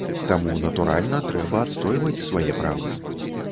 Таму, натуральна, трэба адстойваць свае правы.